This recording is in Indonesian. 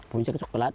kulit kecil pelat